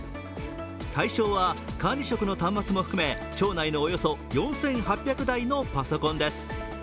対象は管理職の端末も含め庁内のおよそ４８００台のパソコンです。